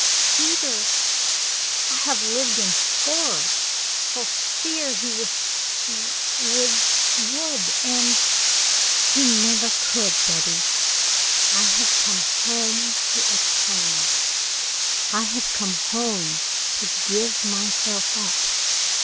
Peter, I have lived in horror, for fear he w w w would, and " "He never could, Betty. I have come home to atone. I have come home to give myself up.